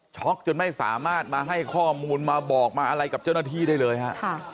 จนไม่สามารถมาให้ข้อมูลมาบอกมาอะไรกับเจ้าหน้าที่ได้เลยฮะ